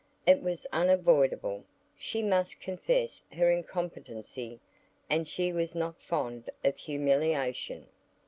It was unavoidable; she must confess her incompetency, and she was not fond of humiliation.